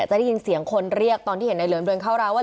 จะได้ยินเสียงคนเรียกตอนที่เห็นในเหลิมเดินเข้าร้านว่า